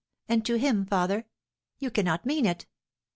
and to him, father! You cannot mean it!"